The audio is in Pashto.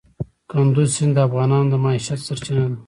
کندز سیند د افغانانو د معیشت سرچینه ده.